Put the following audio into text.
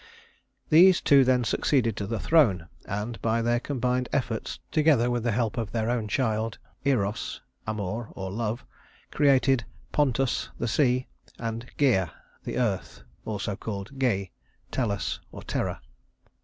These two then succeeded to the throne, and by their combined efforts, together with the help of their own child Eros (Amor or Love) created Pontus (the Sea) and Gæa (the Earth), also called Ge, Tellus, Terra.